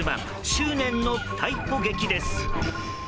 執念の逮捕劇です。